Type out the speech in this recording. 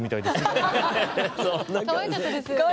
かわいかったですよね。